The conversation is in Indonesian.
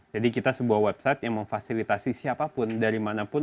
jadi kita sebuah website yang memfasilitasi siapapun dari manapun